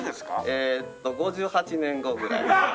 えーっと５８年後ぐらい。